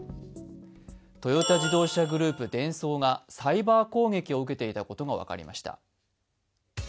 トヨタ自動車グループ・デンソーがサイバー攻撃を受けていたことが分かりました。